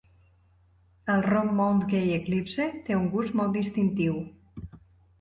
El rom Mount Gay Eclipse té un gust molt distintiu.